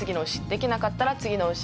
できなかったら次の牛。